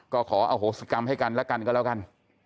ก็ขออโหสิกรรมให้กันแล้วกันก็แล้วกัน